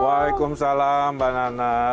waalaikumsalam mbak nana